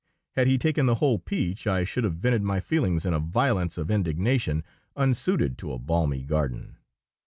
Had he taken the whole peach I should have vented my feelings in a violence of indignation unsuited to a balmy garden.